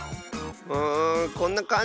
うんこんなかんじ。